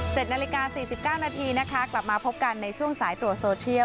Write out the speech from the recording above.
๗นาฬิกา๔๙นาทีนะคะกลับมาพบกันในช่วงสายตรวจโซเทียล